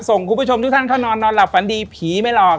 คุณผู้ชมทุกท่านเข้านอนนอนหลับฝันดีผีไม่หลอก